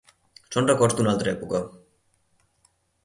Són records d'una altra època.